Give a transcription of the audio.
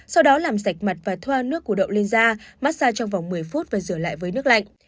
sau đó làm sạch mặt và thoa nước củ đậu lên da massage trong vòng một mươi phút và trở lại với nước lạnh